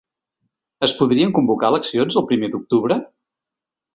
Es podrien convocar eleccions el primer d’octubre?